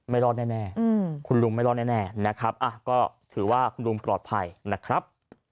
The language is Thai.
ไม่รอดแน่คุณลุงไม่รอดแน่นะครับก็ถือว่าคุณลุงปลอดภัยนะครับ